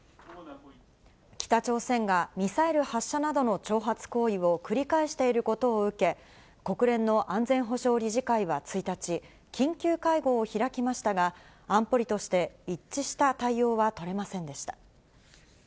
北朝鮮が、ミサイル発射などの挑発行為を繰り返していることを受け、国連の安全保障理事会は１日、緊急会合を開きましたが、安保理として一致した対応は取れませんでした。